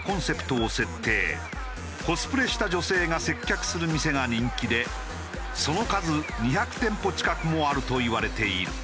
コスプレした女性が接客する店が人気でその数２００店舗近くもあるといわれている。